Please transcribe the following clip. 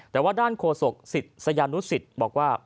แต่ว่าด้านโคศกศิษย์สยานุศิษย์บอกว่า